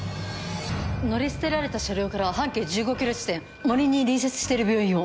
乗り捨てられた車両から半径１５ｋｍ地点森に隣接している病院を。